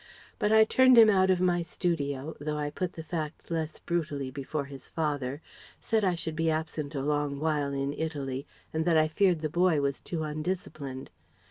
But I turned him out of my studio, though I put the fact less brutally before his father said I should be absent a long while in Italy and that I feared the boy was too undisciplined.